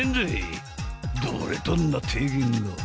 どれどんな提言が？